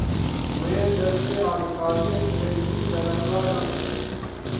Wê, destê alîkariyê dirêjî belengazan kir.